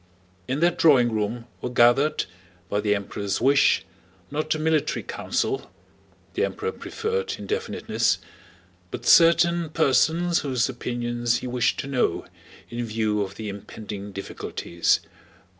In that drawing room were gathered, by the Emperor's wish, not a military council (the Emperor preferred indefiniteness), but certain persons whose opinions he wished to know in view of the impending difficulties.